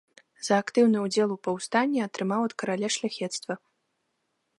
За актыўны ўдзел у паўстанні атрымаў ад караля шляхецтва.